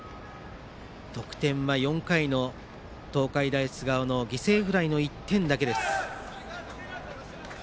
得点は４回の東海大菅生の犠牲フライの１点だけです。